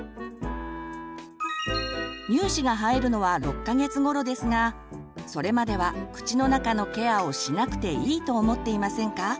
乳歯が生えるのは６か月ごろですがそれまでは口の中のケアをしなくていいと思っていませんか？